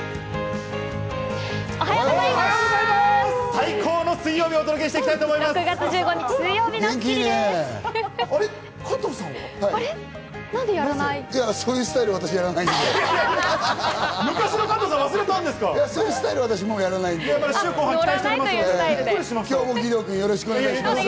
最高の水曜日をお届けしていきたいと思います。